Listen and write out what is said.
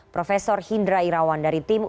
prof hindra irawan dari tim